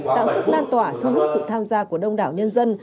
tạo sức lan tỏa thu hút sự tham gia của đông đảo nhân dân